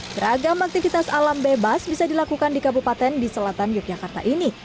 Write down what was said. beragam aktivitas alam bebas bisa dilakukan di kabupaten di selatan yogyakarta ini